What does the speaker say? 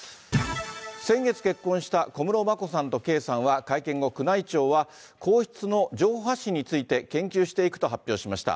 先月結婚した小室眞子さんと圭さんは、会見後、宮内庁は、皇室の情報発信について、研究していくと発表しました。